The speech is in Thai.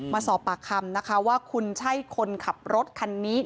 มาสอบปากคำนะคะว่าคุณใช่คนขับรถคันนี้